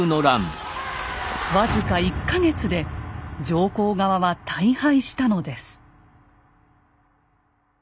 僅か１か月で上皇側は大敗したのです。